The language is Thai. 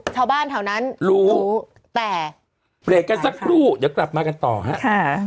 ชาวบ้านเท่านั้นรู้แต่เปรกกันสักครู่เดี๋ยวกลับมากันต่อครับ